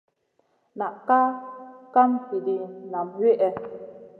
Na kaʼa kam hidina nam wihè.